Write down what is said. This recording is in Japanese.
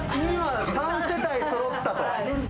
今、３世代そろったと。